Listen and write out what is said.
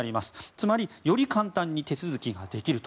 つまり、より簡単に手続きできると。